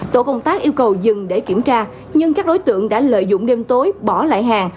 tổ công tác yêu cầu dừng để kiểm tra nhưng các đối tượng đã lợi dụng đêm tối bỏ lại hàng